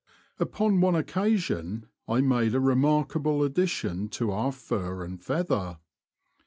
Upon one oc casion I made a remarkable addition to our fur and feather.